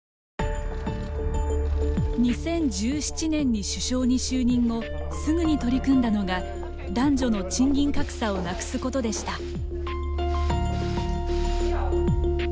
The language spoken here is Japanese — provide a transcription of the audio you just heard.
２０１７年に首相に就任後すぐに取り組んだのが男女の賃金格差をなくすことでした。